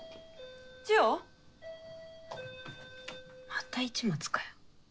また市松かよ。